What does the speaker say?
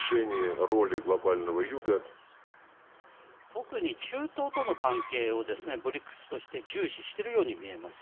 特に、中東との関係をＢＲＩＣＳとして重視しているように見えます。